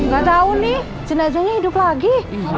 gak tahu nih jenazahnya hidup lagi